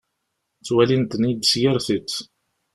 Ttwalin-ten-id s yir tiṭ.